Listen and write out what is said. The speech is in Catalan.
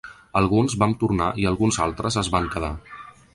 Alguns vam tornar i alguns altres es van quedar.